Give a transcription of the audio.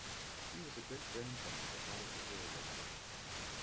He was a great-grandson of the potter Josiah Wedgwood.